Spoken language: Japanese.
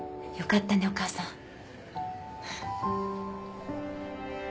よかったねお母さん。